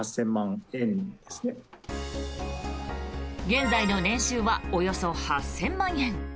現在の年収はおよそ８０００万円。